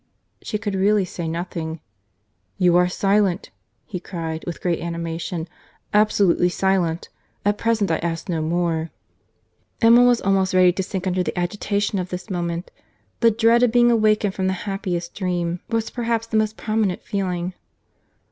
—She could really say nothing.—"You are silent," he cried, with great animation; "absolutely silent! at present I ask no more." Emma was almost ready to sink under the agitation of this moment. The dread of being awakened from the happiest dream, was perhaps the most prominent feeling.